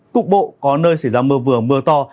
cục bộ có nơi xảy ra mưa vừa mưa to